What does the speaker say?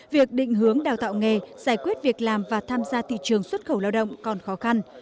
việc định hướng đào tạo nghề giải quyết việc làm và tham gia thị trường xuất khẩu lao động còn khó khăn